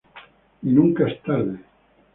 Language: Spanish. Y nunca es tarde.